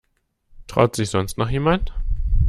Traut sich sonst noch jemand?